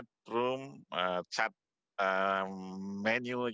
anda bisa mempunyai pertanyaan